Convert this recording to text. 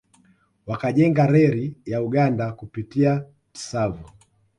Wakajenga reli ya Uganda kupitia Tsavo